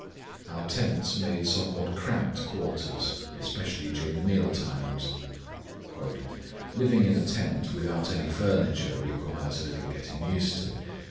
Our tents made somewhat cramped quarters, especially during meal times. "Living in a tent without any furniture requires a little getting used to.